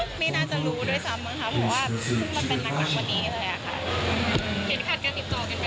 อันแรกก็เป็นเหมือนหนึ่งว่าแบบเป็นอะไรอะไรอย่างนี้หรือเปล่าอะไรอย่างนี้ค่ะ